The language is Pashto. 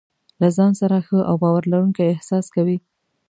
له ځان سره ښه او باور لرونکی احساس کوي.